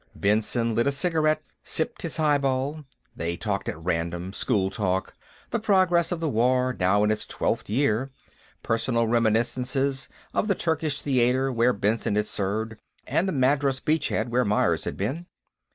Benson lit a cigarette, sipped his highball. They talked at random school talk; the progress of the war, now in its twelfth year; personal reminiscences, of the Turkish Theater where Benson had served, and the Madras Beachhead, where Myers had been.